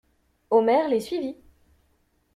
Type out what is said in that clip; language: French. Omer les suivit.